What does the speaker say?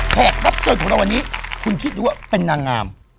แขกรับเชิญของเราวันนี้คุณคิดดูว่าเป็นนางงาม